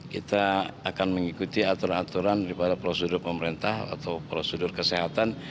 kita akan mengikuti aturan aturan daripada prosedur pemerintah atau prosedur kesehatan